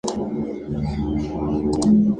Al año siguiente fue nombrado gobernador de Linares.